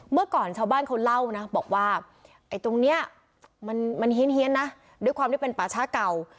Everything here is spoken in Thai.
เมื่อก่อนชาวบ้านเขาเล่านะบอกว่าไอ้ตรงนี้มันเฮียนนะด้วยความที่เป็นป่าช้าเก่า